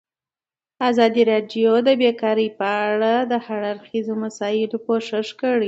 ازادي راډیو د بیکاري په اړه د هر اړخیزو مسایلو پوښښ کړی.